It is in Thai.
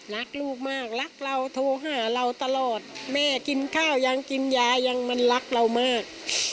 รักลูกมากรักเราโทรหาเราตลอดแม่กินข้าวยังกินยายังมันรักเรามาก